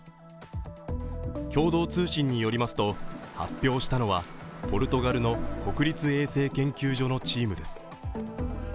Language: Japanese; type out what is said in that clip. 共同通信によりますと発表したのはポルトガルの国立衛生研究所のチームです。